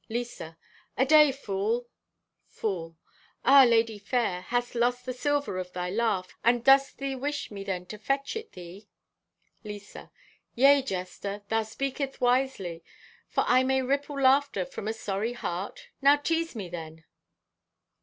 _) (Lisa) "Aday, fool!" (Fool) "Ah, lady fair, hath lost the silver of thy laugh, and dost thee wish me then to fetch it thee?" (Lisa) "Yea, jester. Thou speaketh wisely; for may I ripple laughter from a sorry heart? Now tease me, then."